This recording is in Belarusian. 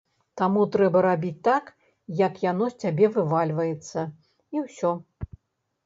Таму трэба рабіць так, як яно з цябе вывальваецца, і ўсё.